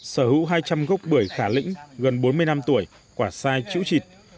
sở hữu hai trăm linh gốc bưởi khá lĩnh gần bốn mươi năm tuổi quả sai chữ trịt